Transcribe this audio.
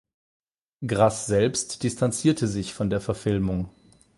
Grass selbst distanzierte sich von der Verfilmung.